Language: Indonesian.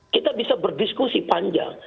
kita bisa berdiskusi panjang